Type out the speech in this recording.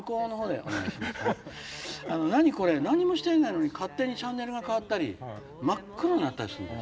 何にもしていないのに勝手にチャンネルが変わったり真っ黒になったりするんです。